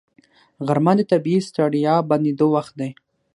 غرمه د طبیعي ستړیا بندېدو وخت دی